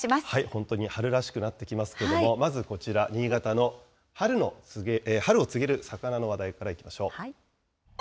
本当に春らしくなってきますけれども、まずこちら、新潟の春を告げる魚の話題からいきましょう。